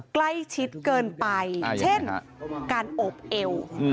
ใกล้ชิดเกินไปเช่นการอบเอว